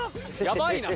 やばいな。